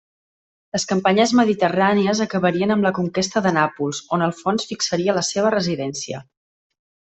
Les campanyes mediterrànies acabarien amb la conquesta de Nàpols, on Alfons fixaria la seva residència.